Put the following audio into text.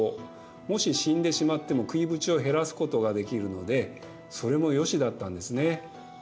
もし死んでしまっても食いぶちを減らすことができるのでそれもよしだったんですね。